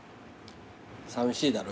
さみしいだろ。